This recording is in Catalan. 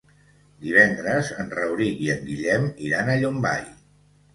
Divendres en Rauric i en Guillem iran a Llombai.